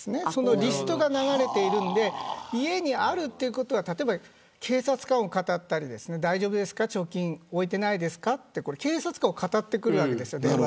リストが流れているので家にあるということは例えば警察官をかたったり貯金、大丈夫ですか置いてないですかと警察官を電話でかたってくるわけです。